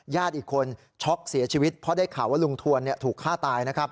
อีกคนช็อกเสียชีวิตเพราะได้ข่าวว่าลุงทวนถูกฆ่าตายนะครับ